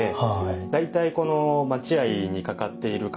大体この待合に掛かっている掛